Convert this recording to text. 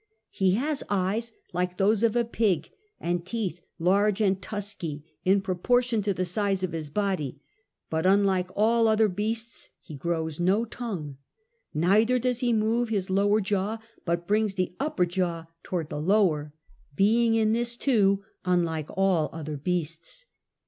He has eyes like those of a pig and teeth large and tusky, in proportion to the size of his body; but unlike all other beasts he grows no tongue, neither does he move his lower jaw, but brings the upper jaw towards the lower, being in this too unlike all other beasts.